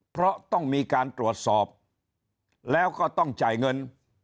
เพราะต้องมีการตรวจสอบแล้วก็ต้องจ่ายเงิน